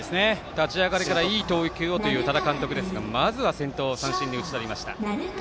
立ち上がりからいい投球をという多田監督ですが、まずは先頭を三振に打ち取りました。